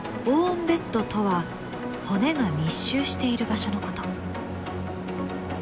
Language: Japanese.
ボーンベッドとは骨が密集している場所のこと。